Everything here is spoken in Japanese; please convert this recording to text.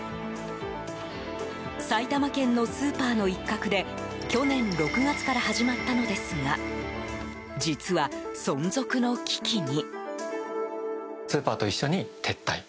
埼玉県のスーパーの一角で去年６月から始まったのですが実は、存続の危機に。